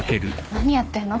何やってんの？